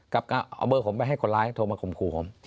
กับการเอาเบอร์ผมไปให้คนร้ายโทรมาข่มขู่ผม